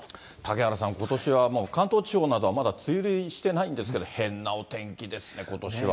嵩原さん、ことしは関東地方などはまだ梅雨入りしてないんですけど、変なお天気ですね、ことしは。